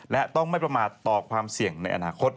และต้องไม่ประมาทต่อความเสี่ยงในอนาคต